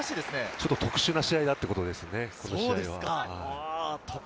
ちょっと特殊な試合だということですね。